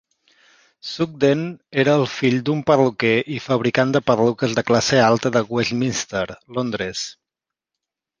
Sugden era el fill d'un perruquer i fabricant de perruques de classe alta de Westminster, Londres.